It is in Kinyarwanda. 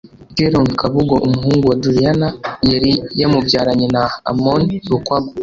Keron Kabugo umuhungu wa Juliana yari yamubyaranye na Amon Lukwago